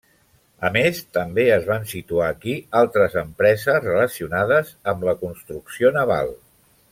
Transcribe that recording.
A més, també es van situar aquí altres empreses relacionades amb la construcció naval.